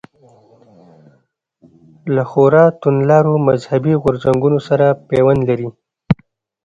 له خورا توندلارو مذهبي غورځنګونو سره پیوند لري.